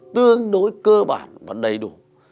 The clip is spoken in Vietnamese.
tương đối cơ bản và đầy đủ